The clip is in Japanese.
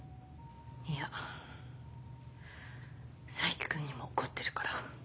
いや冴木君にも怒ってるから。